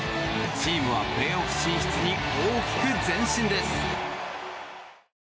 チームはプレーオフ進出に大きく前進です。